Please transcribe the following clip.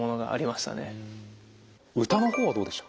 歌の方はどうでした？